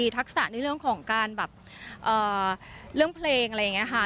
ทักษะในเรื่องของการแบบเรื่องเพลงอะไรอย่างนี้ค่ะ